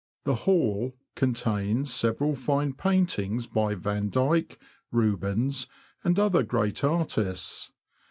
The Hall contains several fine paintings by Vandyke, Rubens, and other great artists.